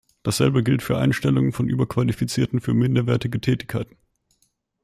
Dasselbe gilt für Einstellungen von Überqualifizierten für minderwertige Tätigkeiten.